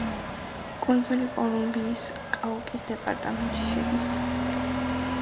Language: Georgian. კუნძული კოლუმბიის კაუკის დეპარტამენტში შედის.